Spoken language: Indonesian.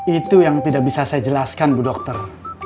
itu yang tidak bisa saya jelaskan bu dokter